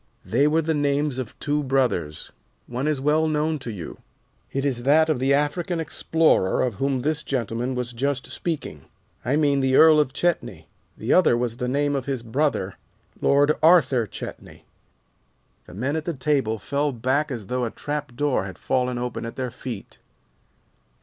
They were the names of two brothers. One is well known to you. It is that of the African explorer of whom this gentleman was just speaking. I mean the Earl of Chetney. The other was the name of his brother, Lord Arthur Chetney." The men at the table fell back as though a trapdoor had fallen open at their feet.